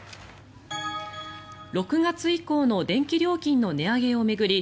６月以降の電気料金の値上げを巡り